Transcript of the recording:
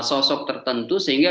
sosok tertentu sehingga